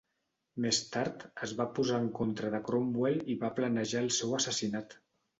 Més tard es va posar en contra de Cromwell i va planejar el seu assassinat.